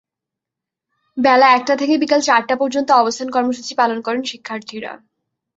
বেলা একটা থেকে বিকেল চারটা পর্যন্ত অবস্থান কর্মসূচি পালন করেন শিক্ষার্থীরা।